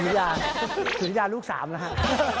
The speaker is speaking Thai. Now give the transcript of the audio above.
ถือที่ทีนาลูกสามละครับ